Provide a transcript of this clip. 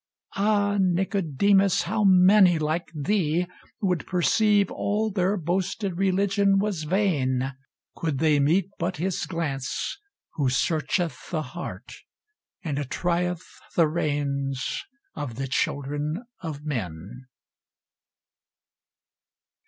Ah! Nicodemus, how many like thee, Would perceive all their boasted religion was vain, Could they meet but his glance who "searcheth the heart, And trieth the reins of the children of men."